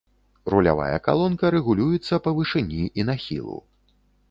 Рулявая калонка рэгулюецца па вышыні і нахілу.